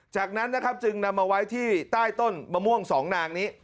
จากนั้นนะครับจึงนำมาไว้ที่ใต้ต้นมะม่วง๒นางนี้